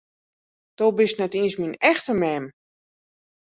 Do bist net iens myn echte mem!